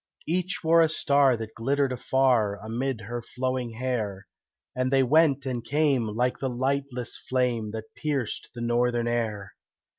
Each wore a star that glittered afar, Amid her flowing hair, And they went and came like the lightless flame That pierced the northern air.